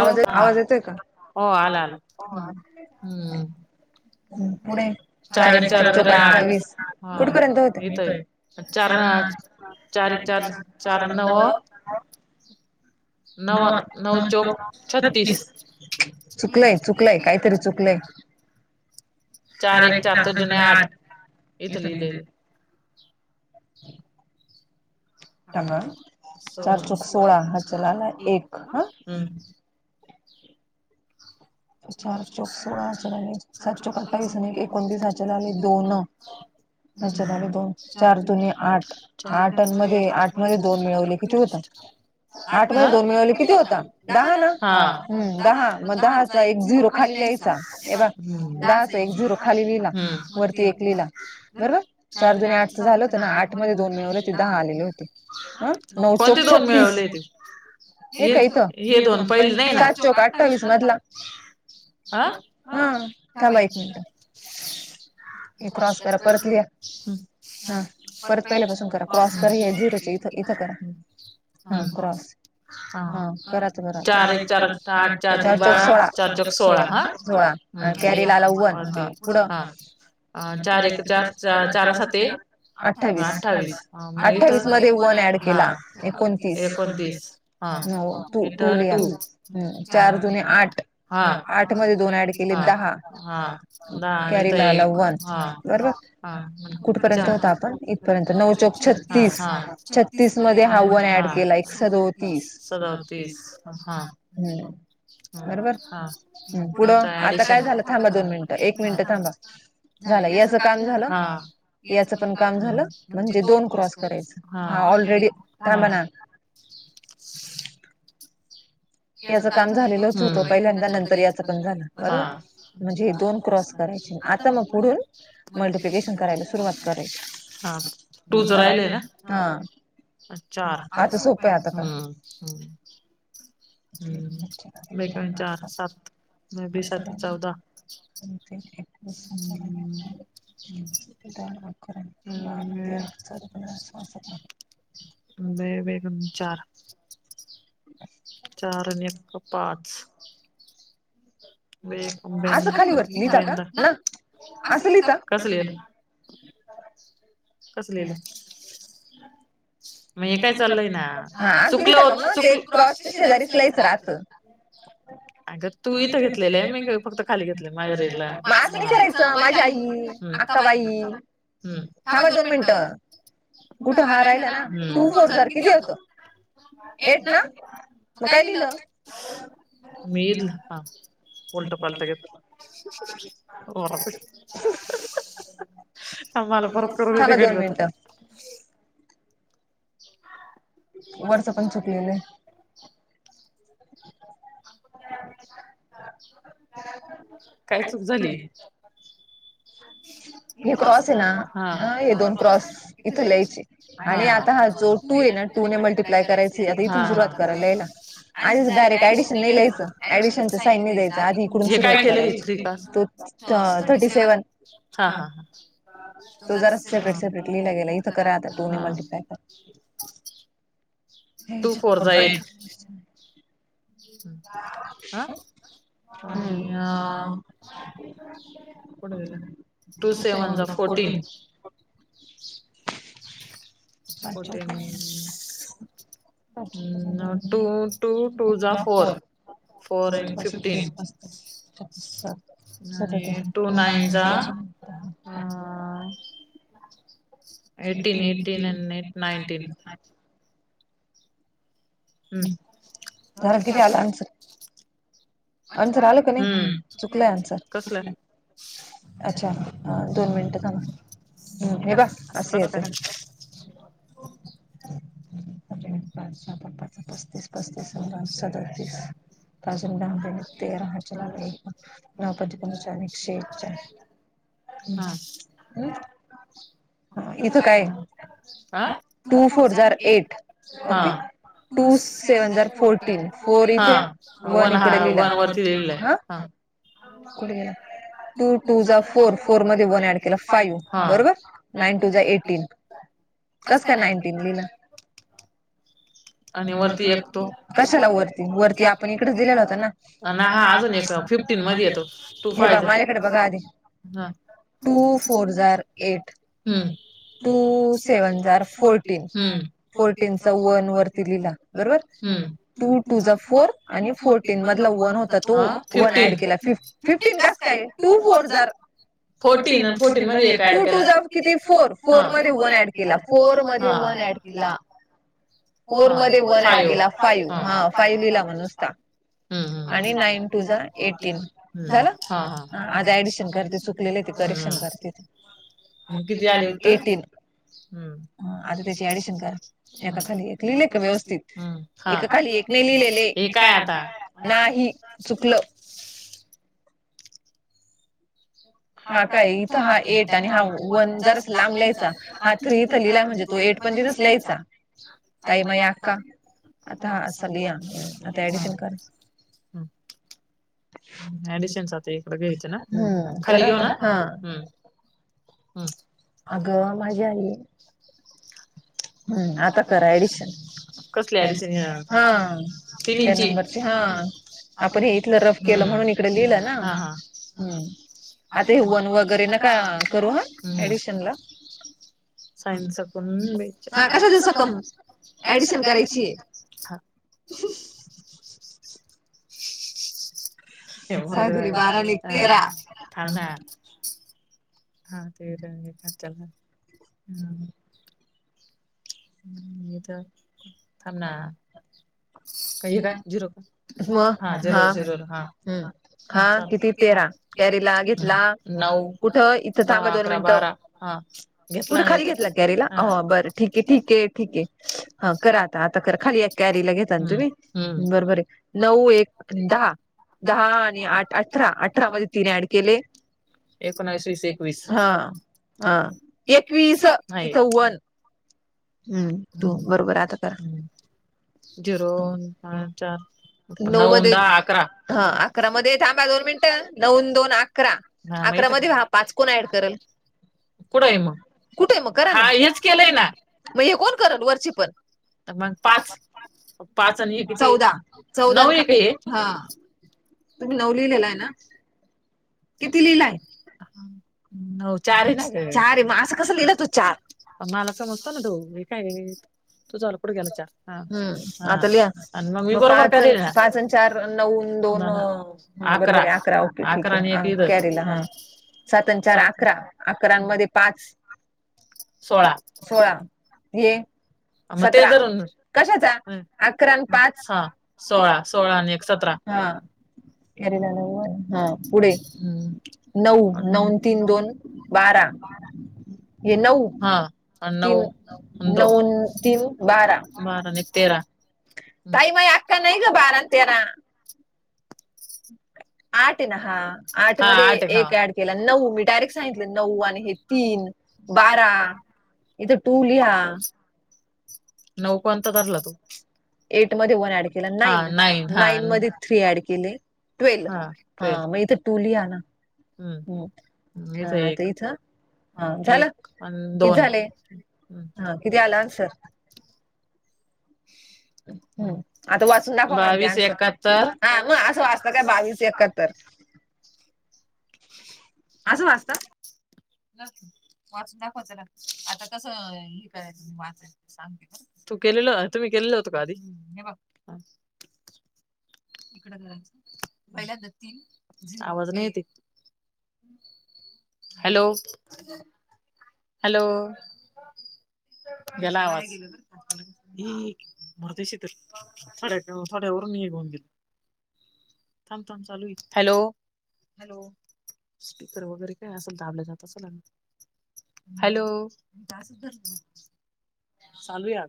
आवाज आवाज येतोय का पुढे कावीस कुठेपर्यंत होते ण क चार न हो नव नऊ च छत्तीस चुकलंय चुकलंय काहीतरी चुकलंय चार एक च सुने आठ हे सुनी टांगा चार चौक सोळा हा चलाला एक हा चार चौक सोळा हचारले सात चौक अठ्ठावीस आणि एकोणतीस हचार आले दोन अ्च्या दोन चार दोन आठ आठांमध्ये आठ मध्ये दोन मिळवले किती होत आठ मध्ये दोन मिळवले किती होता दहा ना दहा मग दहा एक झिरो खाली लियचा ए बा द एक झिरो खाली लिहिला वरती एक लिला बरोबर चार दो् आठच झालं होतं ना आठ मध्ये दोन मिळले ते दहा आलेले होते अ. कोणते दोन मिळवले ते हे दोन पहिले नाही ना. मला. हा थांबा एकच मिनट. त्रास करा परत परतसून करा पाऊसरा. ह [unintelligible] हा चार एक चार आठ चारत्रिक बारा. चार चौक सोळा हा ते हा. अ चार एक चार चार सात ते अठ्ठावीस मग इथ हा एकोणतीस. हा इथ टू. चार जुने आठ. हा आठ म दोनड के हाथ एक ह. हाय न चौका छत्तीस म सदावतीस हा हम. हम् पुढं आता काय झालं थांबा दोन मिनिटं एक मिनिटं थांबा. झालं याच काम झालं याच पण काम झालं म्हणजे दोन क्रॉस करायचं. हा ऑलरेडी थांब ना याच काम झालेलच होतो पहिल्यांदा नंतर याच पण झालं बरोबर म्हणजे दोन क्रॉस कराय आता मग पुढून मल्टिप्लिकेशन करायला सुरुवात करायची टूच राहिलंय ना चार हम [unintelligible] [unintelligible] श्वास [unintelligible] वेगवेेगन चार. चारनेका पाच [unintelligible] [unintelligible] हम्म [unintelligible] मग ते क्रॉस शेजारीच लयच रात अग तू इथ घेतलेलं आहे मी का फक्त खाली घेतले माझ्या रेडला मग असं काय करायचं आता बाई थांबा दोन मिनिट तर कुठे हाराहिला ना टू फोर जर किती होत एट ना मग काय लिहिलं हा उलट पलट घेतलं आम्हाला परत करून दे कि आता वरचं पण चुकलेले [unintelligible] काय चूक झाली [unintelligible] हा,, हे क्रॉस आहे ना ह हे दोन क्रॉस इथं लिहायचे आणि आता हा जो तू आहे ना मल्टिप्लाय कराय कधे, हा हा. आधीच डायरेक्ट. ऍडिशन नाही लियचं ऍडिशनच साईन नाही द्यायचं आधी इकडून सुरवात करायच थ थर्टी सेवन तो जरा सेपरेट सेपरेट लिहिला गेला, इथं करा आता टू ने मल्टिप्लाय करा टू फोर जा एट. हा आणि आ कुठ गेलं? टू सेवन जा फोर्टीन पाचोक वीस. टू जा फोर, फोर [unintelligible] फिफ्टीन [unintelligible] सात आणि टू नाईन जा अ एटीन-एटीन ऍन नट नाईंटीन हम, धारगिरी आला आमचं. [unintelligible] आंसर आलं का नाई? चुकलंय आंसर. अच्छा अं दोन मिनिट थांबा, हे बघ असं येतं [unintelligible] [unintelligible] साता पाचा पस्तीस, पस्तीस अन दोन सदतीस. पाच दहा तेरा हचला एक नवपच [unintelligible] हम्म. इथं काय ग? अं टू फोर जार एट ओके. टू सेव्हन जार फोर्टीन, फोर इथे वन इकडे लिहिला हा. टू टू जा फोर, फोर मध्ये वन ऍड केला फाइव्ह हा. नाईन टूजा एटीन, कसं काय नाईनटीन लिहिलं? मी वरती घेत होतो, कशाला वरती वरती आपणं इकडचं दिलेला होता ना? टिन मधी येतो, टु फाइव जा माझ्याकडे बघ अंश, हा टु टूजा ऐट हम्म. टु टू सेवन जार फोर्टीन, फोर्टीनच वन वरती लिहिला. बरोबर? टू टूजा फोर आणि फोर्टीन मधला वन होता तो वन ऍड केला फिफ्ट फिफ्टीन कास काय? टू फोर जार फोर्टीन फोर्टीन मध्ये हे काय टू टूजा किती फोर, फोर मध्ये वन ऍड केला, फोर मध्ये वन ऍड केला फोर मध्ये वन ऍड केला फाईव्ह, हा फाईव्ह लिहिला म नुसता आणि नाईन टूजा एटीन झालं? हा हा, आता ऍडिशन कर ते चुकलेले ते करेक्शन कर तिथे. मग किती आले उतर? हम्म. आता त्याची एडीशन कर, हे बघ लिहलंय का व्यवस्थित? हम्म. हा, खाली एक नाही लिहिलेलंय हे काय आता? नाही चुकलं. हा काय इथं हा एट आणि हा वन जरासं लांब लिहायचा, हा थ्री हिथ लिहिलाय म्हजे तो एट पण तिथंच लिहायचा. ताई, माई, अक्का आता असं लिहा. जय ऍडिशन चा ते आता इकड घ्यायचं ना? खाली घेऊ ना? हा हम्म हम्म. अगं माझी आजी [inaudible] आता कर एडिशन, कसली एडिशन येणार? हा. तिन्हींची? हा आपणं ही करत केलं म्हणून इकडे लिहिलं ना, हा हम्म. आता हे वन वगैरे नका करू हा, हम्म. साइन सक्कम बे कशा दिवस होतो ऍडिशन करायचीय. हे बोले बारा आणि एक तेरा, थांब ना. हा दिर आणि हे खातील ना, हा मी तर, थांब ना. मग हा हम् हा किती तेरा, तेरीला घेतला कुठं इथं थांबा दोन मिनिटं. कुठे खाली घेतला केरीला हा बरं ठीके, ठीके, ठीके हा कर आ आता कर खाली एक कॅरीला घेता तुम्ही, बरोबर ये नऊ एक दहा. दहा आणि आठ अठरा, अठरा मध्ये तीन ऍड केले. एकवीस एकवीस हा, हा एकवीसं इथं वन [unintelligible] झीरो चार नऊन दहा अकरा हा अकरा मध्ये थांबा दोन मिनटं नऊन दोन आकरा, आकारामध्ये हा पाच पण ऍड कर. कुठंय मग कुठेय मग करा ना हा हेच केलंय ना. मग हे कोण करल वरची पण, तर मग पाच पाच आणि हे किती चौदा, नऊ ये का हे? हा तुम्ही नऊ लिहीलेलाय ना? किती लिहिलंय, नऊ चार येना चार ये मग असं कसं लिहिलं तू चार? मला समजतं ना तो हे काय तु कुठं गेला चार हा, हा मग मी बरोबर लिहिलंय, हा चलं चार, नऊ, दोन अ अकरा, अकरा आणि एक कॅरीला हा, सात आणि चार अकरा अकरा आणि मध्ये पाच. सोळा सोळा हे मग ते जर, कशाच अकरा आणि पाच हा सोळा सोळा आणि एक सतरा. हा. हा पुढे. नऊ नऊन तीन दोन बारा. न हा् नऊ. बारा बारा आणि तेरा आई म अखा नाही का बारा आणि तेरा. [inaudible] आठ आहे ना हा, आठ मध्ये एक ऍड केला नऊ मी डायरेक्ट सांगितलं नऊ आणि तीन बारा, इथे टू लिहा. नऊ कोणता धरला तु? एट मध्ये वन ऍड केला हा नाइन हा एट मध्ये थ्री ऍड केले. ट्वेल हा ट्वेल [unintelligible] हम्म मग हिथ एक लिहायचं. दन. ह आता वाचून दाखवा मारते मग असं वाचतं काय बावीस एकाहत्तर. आजो वाजत. वाचून दाखवाचं आता कसं हे करायचं वाचाय सांग. तू केलेल तुम्ी केलेलं होतो का आधी. हा [unintelligible] इकड कराय पहि आवाज नाही येत. Hello hello. गला आवाज. मारदशित साड्या साड्यावरून गऊन गलं. थांब थांब चालू हॅलो. हॅलो स्पीकर वगैरे काय असेल दाबलं जात असेल. हॅलो चालू या.